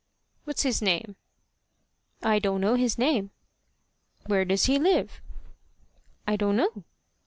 "What's his name!" "I don't know his name." "Where does he live?" "I don't know."